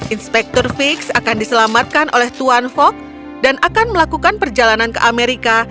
inspektur fix akan diselamatkan oleh tuan fog dan akan melakukan perjalanan ke amerika